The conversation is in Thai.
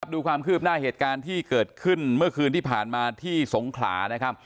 ดูความคืบหน้าเหตุการณ์ที่เกิดขึ้นเมื่อคืนที่ผ่านมาที่สงขลานะครับ